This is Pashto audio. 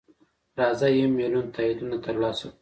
راځه یو میلیون تاییدونه ترلاسه کړو.